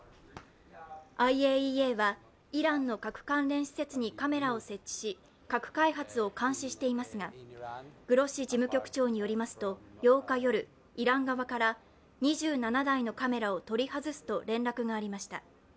ＩＡＥＡはイランの核関連施設にカメラを設置し、核開発を監視していますがグロッシ事務局長によりますと８日夜、イラン側から２７台のカメラを取り外すと連絡がありました。